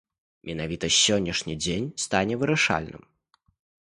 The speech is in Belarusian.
Менавіта сённяшні дзень стане вырашальным.